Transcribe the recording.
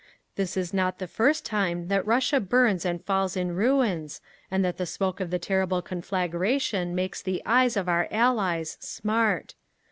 "This is not the first time that Russia burns and falls in ruins, and that the smoke of the terrible conflagration makes the eyes of our Allies smart….